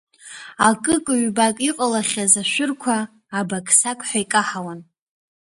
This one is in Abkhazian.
Акык-ҩбак иҟалахьаз ашәырқәа абақ-сақҳәа икаҳауан.